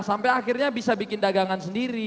sampai akhirnya bisa bikin dagangan sendiri